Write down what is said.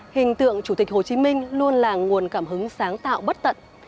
hình tượng chủ tịch hồ chí minh luôn là nguồn cảm hứng sáng tạo bất tận